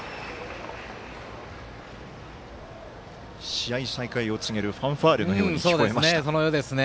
試合再開を告げるファンファーレのように聞こえました。